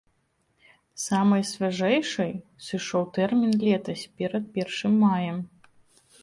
Самай свяжэйшай сышоў тэрмін летась перад першым маем.